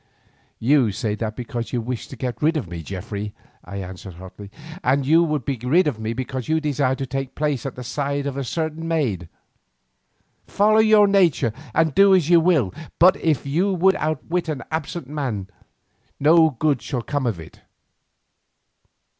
"You say that because you wish to be rid of me, Geoffrey," I answered hotly, "and you would be rid of me because you desire to take my place at the side of a certain maid. Follow your nature and do as you will, but if you would outwit an absent man no good shall come to you of it."